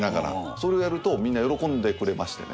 それをやるとみんな喜んでくれましてね。